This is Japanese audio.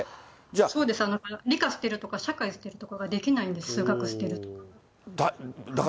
そうです、理科捨てるとか社会捨てるとかができないんです、数学捨てるとか。